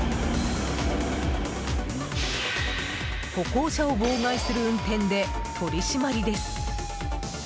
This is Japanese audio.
歩行者を妨害する運転で取り締まりです！